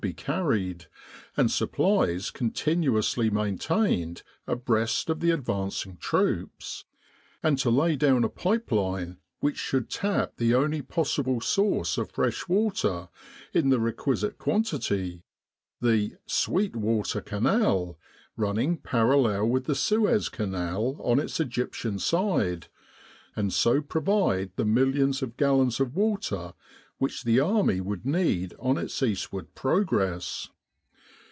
in Egypt carried, and supplies continuously maintained abreast of the advancing troops; and to lay down a pipe line which should tap the only possible source of fresh water in the requisite quantity, the "Sweet Water Canal " running parallel with the Suez Canal on its Egyptian side, and so provide the millions of gallons of x water which the Army would need on its east ward progress.